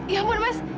ya allah mas